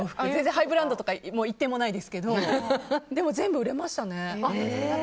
ハイブランドとか１点もないですけどでも全部売れましたね。